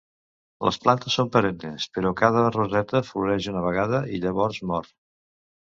Les plantes són perennes, però cada roseta floreix una vegada i llavors mor.